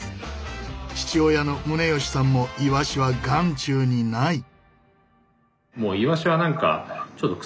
父親の宗純さんもイワシは眼中にない。